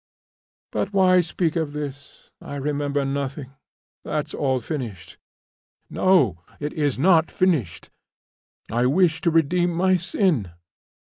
But why speak of this? I remember nothing. That's all finished." "No, it is not finished; I wish to redeem my sin."